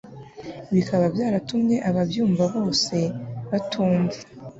bikaba byaratumye ababyumva bose batumva